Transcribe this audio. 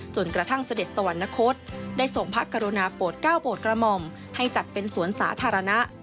จนกระทั่งเสด็จสวรรคตได้ส่งพระกรุณาโปรดก้าวโปรดกระหม่อมให้จัดเป็นสวนสาธารณะ